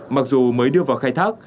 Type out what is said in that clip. mặc dù mới đưa vào khai thác